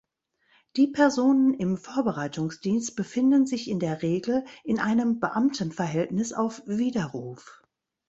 Die Personen im Vorbereitungsdienst befinden sich in der Regel in einem Beamtenverhältnis auf Widerruf.